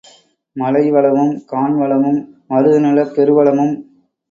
மலை வளமும் கான் வளமும் மருதநிலப் பெருவளமும்